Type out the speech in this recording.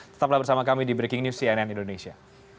tetaplah bersama kami di breaking news cnn indonesia